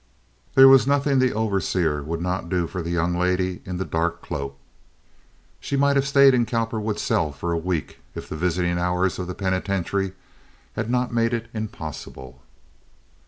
There was nothing the overseer would not do for the young lady in the dark cloak. She might have stayed in Cowperwood's cell for a week if the visiting hours of the penitentiary had not made it impossible.